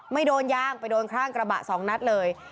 ไม่โดนยางไปโดนข้างกระบะสองนัดเลย